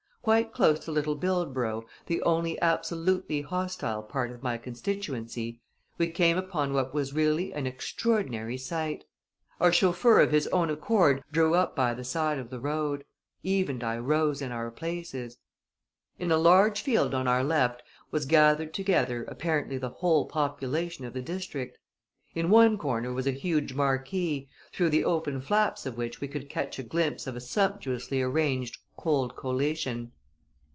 Quite close to Little Bildborough, the only absolutely hostile part of my constituency, we came upon what was really an extraordinary sight. Our chauffeur of his own accord drew up by the side of the road. Eve and I rose in our places. In a large field on our left was gathered together apparently the whole population of the district. In one corner was a huge marquee, through the open flaps of which we could catch a glimpse of a sumptuously arranged cold collation.